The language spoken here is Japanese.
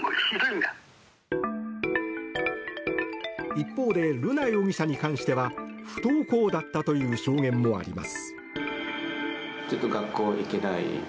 一方で、瑠奈容疑者に関しては不登校だったという証言もあります。